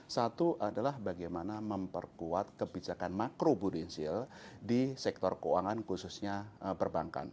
satu adalah bagaimana memperkuat kebijakan makrobudensial di sektor keuangan khususnya perbankan